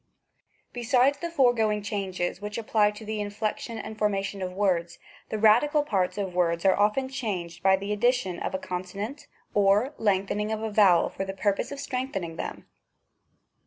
Besides the foregoing changes, which apply to the inflection and formation of words, the radical parts of words are often changed by the addition of a conso nant or the lengthening of a vowel for the purpose of strengthening them.